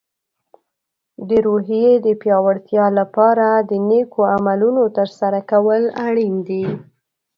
د روحیې د پیاوړتیا لپاره د نیکو عملونو ترسره کول اړین دي.